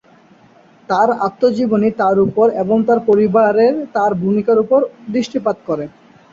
তার আত্মজীবনী তার উপর এবং তার পরিবারে তার ভূমিকার উপর দৃষ্টিপাত করে।